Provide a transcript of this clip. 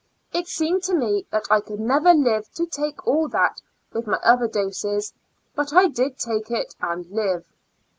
It seemed to me that I could never live to take all that with my other doses, but I did take it and live.